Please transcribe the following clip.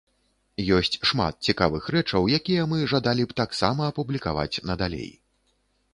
Ёсць шмат цікавых рэчаў, якія мы жадалі б таксама апублікаваць надалей.